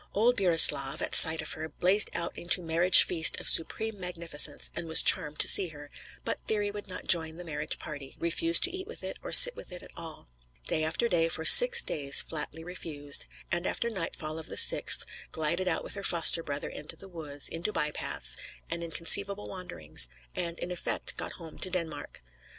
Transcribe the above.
Old Burislav, at sight of her, blazed out into marriage feast of supreme magnificence, and was charmed to see her, but Thyri would not join the marriage party, refused to eat with it or sit with it at all. Day after day, for six days, flatly refused; and after nightfall of the sixth, glided out with her foster brother into the woods, into by paths and inconceivable wanderings; and, in effect, got home to Denmark.